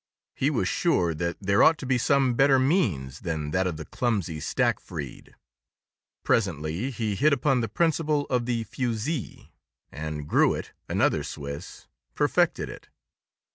He was sure that there ought to be some better means than that of the clumsy stackfreed. Presently he hit upon the principle of the fusee, and Gruet, another Swiss, perfected it.